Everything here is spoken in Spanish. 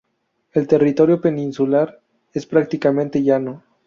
El territorio peninsular es prácticamente llano.